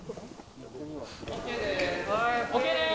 ＯＫです。